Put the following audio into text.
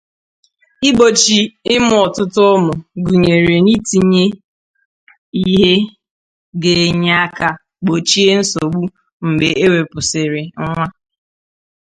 Igbochi ịmụ ọtụtụ ụmụ, gụnyere n’itinye ihe ga-enye aka gbochie nsogbu mgbe ewepụsịrị nwa.